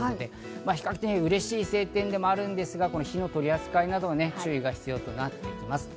比較的うれしい晴天でもあるんですが、火の取り扱いなどに注意が必要となってきます。